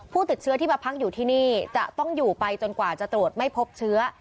ผู้ติดเชื้อที่มาพักอยู่ที่นี่จะต้องอยู่ไปจนกว่าจะตรวจไม่พบเชื้อ